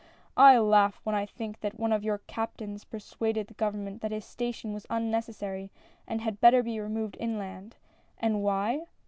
" I laugh when I think that one of your captains persuaded the government that this station was unne cessary, and had better be removed inland. And why